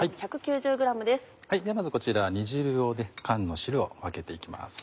こちら煮汁を缶の汁を分けて行きます。